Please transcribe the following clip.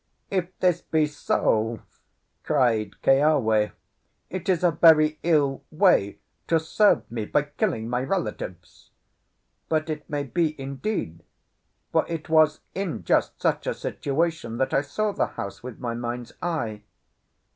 "If this be so," cried Keawe, "it is a very ill way to serve me by killing my relatives. But it may be, indeed; for it was in just such a station that I saw the house with my mind's eye."